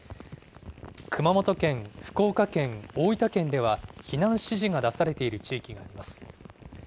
熊本県、福岡県、大分県では、避難指示が出されている地域があります。